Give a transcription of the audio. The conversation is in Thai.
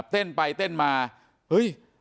เต้นไปเต้นมาเฮ้ย